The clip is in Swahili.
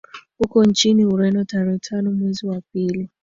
Uko nchini Ureno tarehe tano mwezi wa pili